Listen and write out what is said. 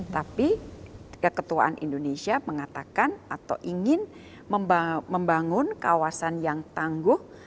tapi keketuaan indonesia mengatakan atau ingin membangun kawasan yang tangguh